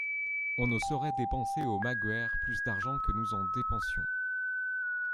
On ne saurait dépenser au Magoër plus d'argent que nous en dépensions.